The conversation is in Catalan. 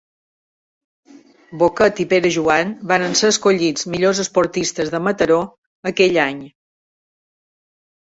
Boquet i Perejoan varen ser escollits millors esportistes de Mataró aquell any.